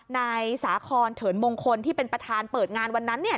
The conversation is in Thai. นายสาคอนเถินมงคลที่เป็นประธานเปิดงานวันนั้นเนี่ย